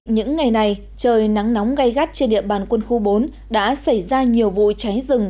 những ngày này trời nắng nóng gai gắt trên địa bàn quân khu bốn đã xảy ra nhiều vụ cháy rừng